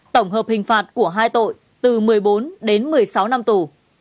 tổng hợp hình phạt của hai tội từ một mươi bốn đến một mươi sáu năm tù